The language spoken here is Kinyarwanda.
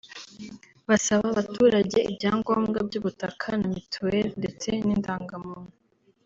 basaba abaturage ibyangombwa by’ubutaka na mituelle ndetse n’indangamuntu